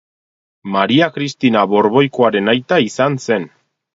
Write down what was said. Maria Kristina Borboikoaren aita izan zen.